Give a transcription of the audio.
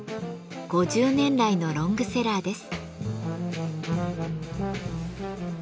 ５０年来のロングセラーです。